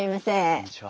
こんにちは。